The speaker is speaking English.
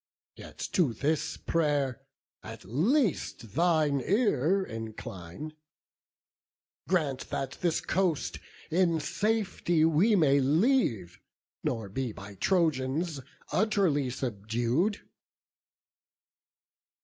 Yet to this pray'r at least thine ear incline; Grant that this coast in safety we may leave, Nor be by Trojans utterly subdued."